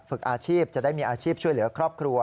ฝึกอาชีพจะได้มีอาชีพช่วยเหลือครอบครัว